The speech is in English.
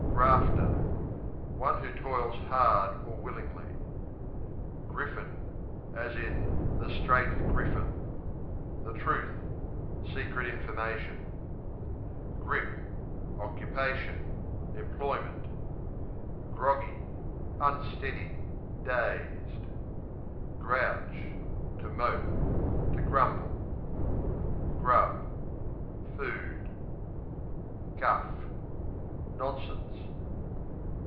Grafter One who toils hard or willingly. Griffin, the straight The truth, secret information. Grip Occupation; employment. Groggy Unsteady; dazed. Grouch To mope; to grumble. Grub Food. Guff Nonsense.